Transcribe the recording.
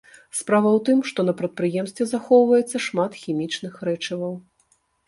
Справа ў тым, што на прадпрыемстве захоўваецца шмат хімічных рэчываў.